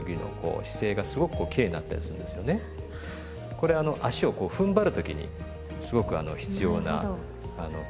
これあの足をこうふんばる時にすごくあの必要な筋肉なんですよ。